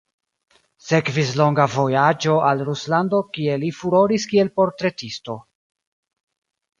Sekvis longa vojaĝo al Ruslando kie li furoris kiel portretisto.